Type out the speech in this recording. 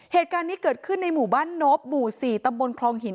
เหตุการณ์นี้เกิดขึ้นในหมู่บ้านนบหมู่๔ตำบลคลองหิน